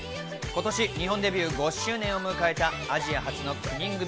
今年、日本デビュー５周年を迎えたアジア初の９人組